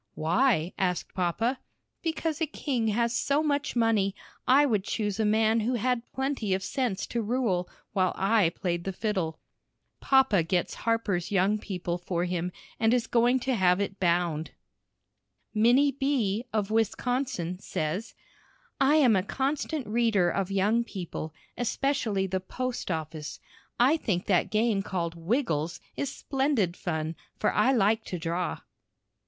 "Why?" asked papa. "Because a king has so much money, I would choose a man who had plenty of sense to rule, while I played the fiddle." Papa gets Harper's Young People for him, and is going to have it bound. Minnie B., of Wisconsin, says: I am a constant reader of Young People, especially the "Post Office." I think that game called "Wiggles" is splendid fun, for I like to draw.